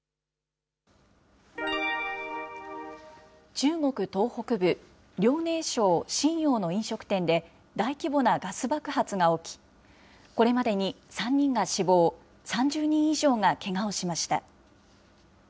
中国東北部、遼寧省瀋陽の飲食店で、大規模なガス爆発が起き、これまでに３人が死亡、３０人以上がけがをしました。